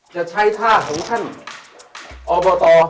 จะใช้ท่าของท่านอบต